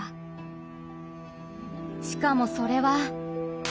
しかもそれは。